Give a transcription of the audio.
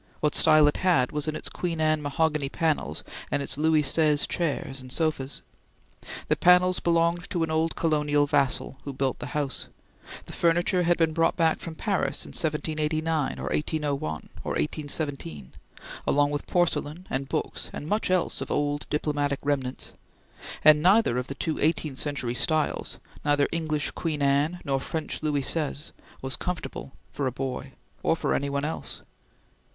What style it had was in its Queen Anne mahogany panels and its Louis Seize chairs and sofas. The panels belonged to an old colonial Vassall who built the house; the furniture had been brought back from Paris in 1789 or 1801 or 1817, along with porcelain and books and much else of old diplomatic remnants; and neither of the two eighteenth century styles neither English Queen Anne nor French Louis Seize was comfortable for a boy, or for any one else.